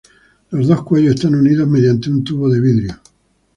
Los dos cuellos están unidos mediante un tubo de vidrio.